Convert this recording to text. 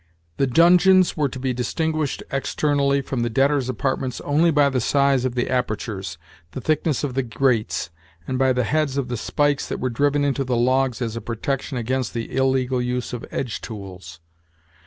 The dungeons were to be distinguished, externally, from the debtors' apartments only by the size of the apertures, the thickness of the grates, and by the heads of the spikes that were driven into the logs as a protection against the illegal use of edge tools.